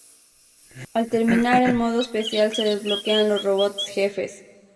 Al terminar el modo especial se desbloquean los robots jefes.